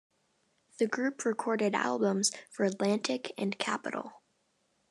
The group recorded albums for Atlantic and Capitol.